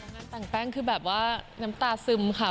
งานแต่งแป้งคือแบบว่าน้ำตาซึมค่ะ